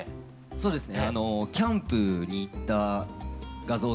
そうですね。